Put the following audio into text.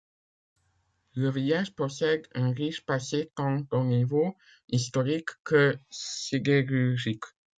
Le village possède un riche passé tant au niveau historique que sidérurgique.